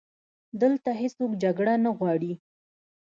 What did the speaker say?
دلته هیڅوک جګړه نه غواړي